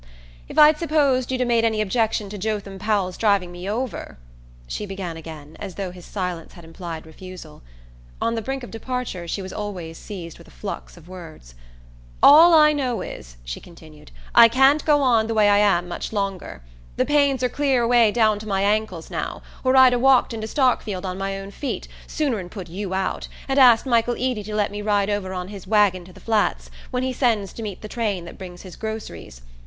"If I'd supposed you'd 'a' made any objection to Jotham Powell's driving me over " she began again, as though his silence had implied refusal. On the brink of departure she was always seized with a flux of words. "All I know is," she continued, "I can't go on the way I am much longer. The pains are clear away down to my ankles now, or I'd 'a' walked in to Starkfield on my own feet, sooner'n put you out, and asked Michael Eady to let me ride over on his wagon to the Flats, when he sends to meet the train that brings his groceries.